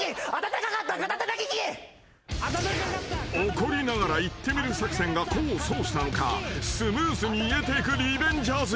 ［怒りながら言ってみる作戦が功を奏したのかスムーズに言えていくリベンジャーズ］